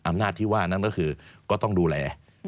อำนาจที่ว่านั้นก็คือก็ต้องดูแล